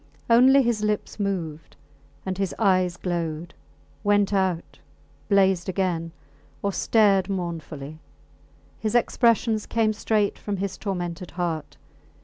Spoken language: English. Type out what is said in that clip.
Only his lips moved, and his eyes glowed, went out, blazed again, or stared mournfully. His expressions came straight from his tormented heart.